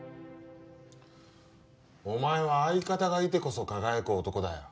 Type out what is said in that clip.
お前は相方がいてこそ輝く男だよ。